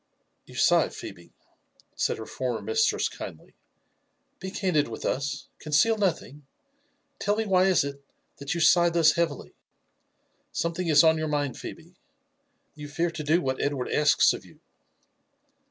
" You sigh, Phebe I" said her former mistress kindly. '' Be candid with us— conceal nothing! Tell me why is it that you sigh thus heavily ?—— Something is on your mind, Phebe. You fear to do what Edward asks of you.'